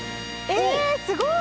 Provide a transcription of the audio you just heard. えすごい！